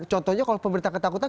contohnya kalau pemerintah ketakutan